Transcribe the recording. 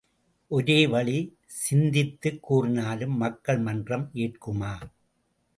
ஒரோ வழி சிந்தித்துக் கூறினாலும் மக்கள் மன்றம் ஏற்குமா?